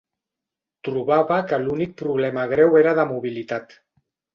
Trobava que l'únic problema greu era de mobilitat.